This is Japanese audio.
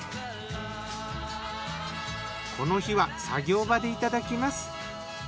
この日は作業場でいただきます。